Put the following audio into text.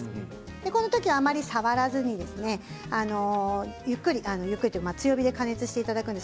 このときあまり触らずにゆっくりと強火で加熱をしていただきます。